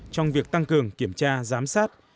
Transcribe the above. trong việc tăng cường kiểm tra giám sát